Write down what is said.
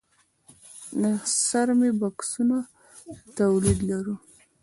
د څرمي بکسونو تولید لرو؟